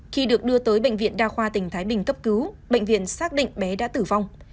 khi được đưa tới bệnh viện đa khoa tỉnh thái bình cấp cứu bệnh viện xác định bé đã tử vong